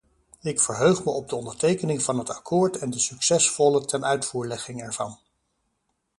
Ik verheug me op de ondertekening van het akkoord en de succesvolle tenuitvoerlegging ervan.